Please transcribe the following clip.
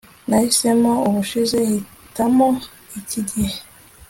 nahisemo ubushize. hitamo iki gihe